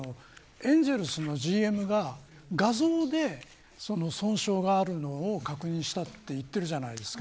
エンゼルスのＧＭが画像で損傷があるのを確認したって言っているじゃないですか。